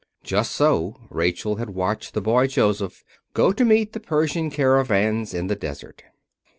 Just so Rachel had watched the boy Joseph go to meet the Persian caravans in the desert.